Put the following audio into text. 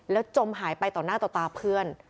จมหายไปต่อหน้าต่อตาเพื่อน